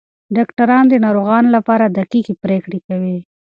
ډاکټران د ناروغانو لپاره دقیقې پریکړې کوي.